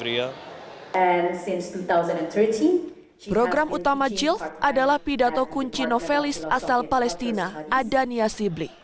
dan sejak dua ribu tiga belas program utama jilf adalah pidato kunci novelis asal palestina adania sible